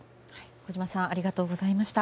小島さんありがとうございました。